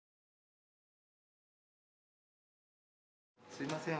すいません